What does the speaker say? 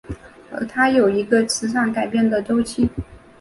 而它也有一个磁场改变的周期。